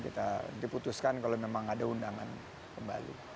kita diputuskan kalau memang ada undangan kembali